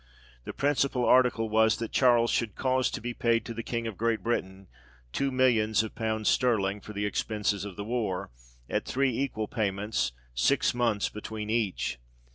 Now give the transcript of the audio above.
The principal article was, That Charles should cause to be paid to the King of Great Britain two millions of pounds sterling, for the expences of the war, at three equal payments, six months between each.